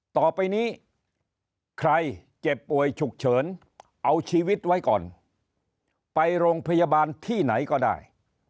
ต่อไปนี้ใครเจ็บป่วยฉุกเฉินเอาชีวิตไว้ก่อนไปโรงพยาบาลที่ไหนก็ได้